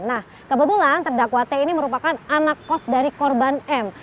nah kebetulan terdakwa t ini merupakan anak kos dari korban m